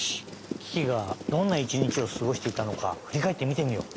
キキがどんな１にちをすごしていたのかふりかえってみてみよう！